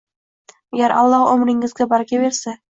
Agar Alloh umringizga baraka bersa.